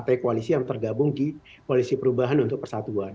jadi ini adalah polisi yang tergabung di koalisi perubahan untuk persatuan